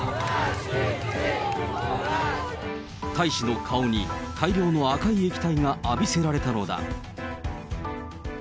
大使の顔に大量の赤い液体が浴びせられたのだ。